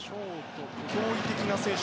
驚異的な選手。